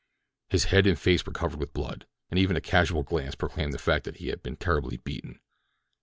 His head and face were covered with blood—even a casual glance proclaimed the fact that he had been terribly beaten.